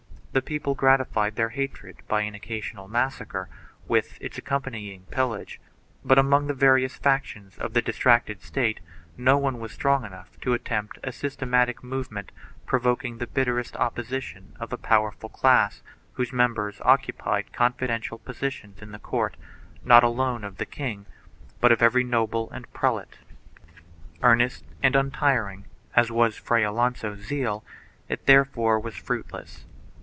The people gratified their hatred by an occasional massacre, with its accompanying pillage, but among the various factions of the distracted state no one was strong enough to attempt a systematic movement provoking the bitterest opposition of a powerful class whose members occupied confidential positions in the court not alone of the king but of every noble and prelate. Earnest and untiring as was Fray Alonso's zeal it therefore was fruitless.